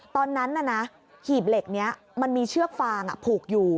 ตอนนั้นหีบเหล็กนี้มันมีเชือกฟางผูกอยู่